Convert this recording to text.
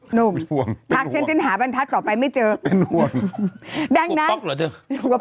หนุ่มถ้าเช่นหาบรรทัศน์ต่อไปไม่เจอดังนั้นเป็นห่วง